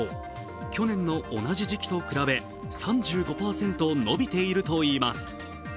去年の同じ時期と比べ３５％伸びているといいます。